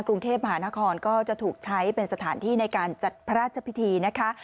กรุงเทพมหานครก็จะถูกใช้เป็นสถานที่ในการจัดพระราชพิธีนะคะ